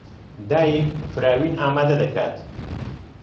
دایک فراوین ئامادە دەکات.